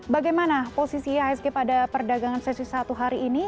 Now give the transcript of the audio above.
bagaimana posisi ihsg pada perdagangan sesi satu hari ini